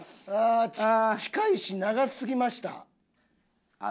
ああ近いし長すぎました。